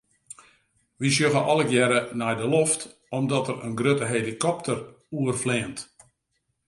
We sjogge allegearre nei de loft omdat der in grutte helikopter oerfleant.